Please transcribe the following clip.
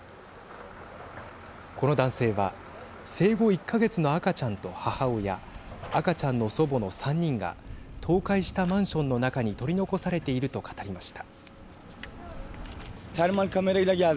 この男性は生後１か月の赤ちゃんと母親赤ちゃんの祖母の３人が倒壊したマンションの中に取り残されていると語りました。